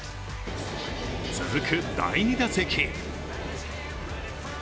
続く第２打席。